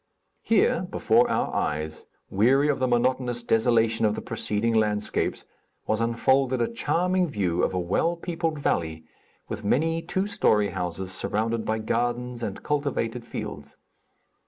Here, before our eyes, weary of the monotonous desolation of the preceding landscapes, was unfolded a charming view of a well peopled valley, with many two story houses surrounded by gardens and cultivated fields.